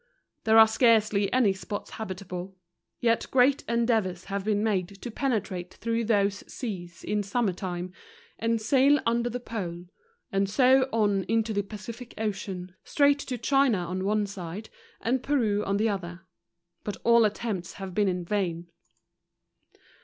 There are scarcely any spots habitable. Yet great endeavours have been made to penetrate through those seas in summer time, and sail un¬ der the pole; and so on into the Pacific ocean, straight to China on one side, and Peru on the other. But all attempts have been in vain.